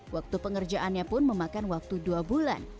waktu pengerjaannya pun memakan waktu dua bulan